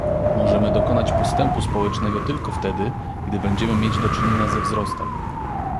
Możemy dokonać postępu społecznego tylko wtedy, gdy będziemy mieć do czynienia ze wzrostem